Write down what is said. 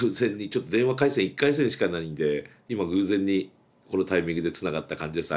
ちょっと電話回線１回線しかないんで今偶然にこのタイミングでつながった感じです。